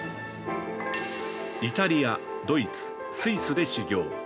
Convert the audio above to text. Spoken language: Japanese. イタリア、ドイツ、スイスで修業。